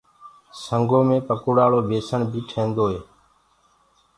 سنگو مي پڪوڙآݪو بيسڻ بي ٺيندوئي